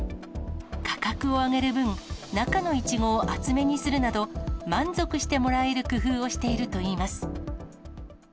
価格を上げる分、中のいちごを厚めにするなど、満足してもらえる工夫をしているといいます。